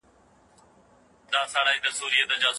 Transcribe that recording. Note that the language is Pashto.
هنر د طبیعت له تقلید څخه پیدا کېږي.